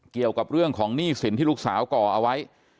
เกี่ยวกับเรื่องของหนี้สินที่ลูกสาวก่อเอาไว้